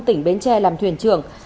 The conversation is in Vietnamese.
tỉnh bến tre làm thuyền trưởng